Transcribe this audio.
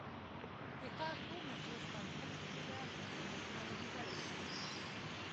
د ښار ټول نفوس په اټکلي توګه معلومېدای شوای.